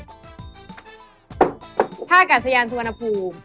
อากาศยานสุวรรณภูมิ